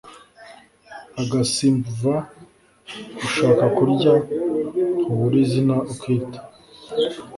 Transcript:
agasimbva ushaka kurya ntubura izina ukita